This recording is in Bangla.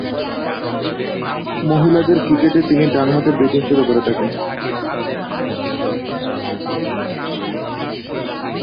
মহিলাদের ক্রিকেটে তিনি ডানহাতে ব্যাটিং করে থাকেন।